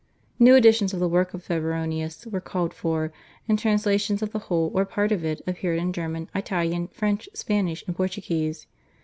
New editions of the work of Febronius were called for, and translations of the whole or part of it appeared in German, Italian, French, Spanish, and Portuguese.